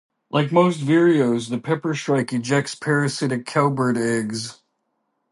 Like most vireos, the peppershrike ejects parasitic cowbird eggs.